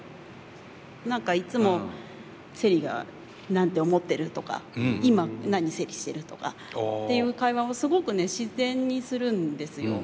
なんか、いつもセリが何て思ってるとか今、何セリしてるとかっていう会話をすごくね自然にするんですよ。